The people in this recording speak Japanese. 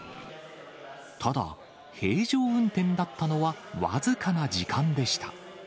ただ、平常運転だったのは僅かな時間でした。